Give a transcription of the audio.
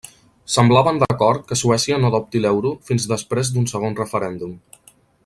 Semblaven d'acord que Suècia no adopti l'euro fins després d'un segon referèndum.